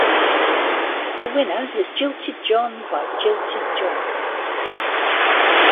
The winner was Jilted John by Jilted John.